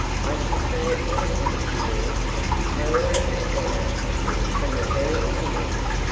"I can say anything to you. I always have been able to from the very beginning."